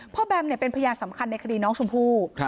พ่อแบมเนี่ยเป็นพยานสำคัญในคดีน้องฉมพู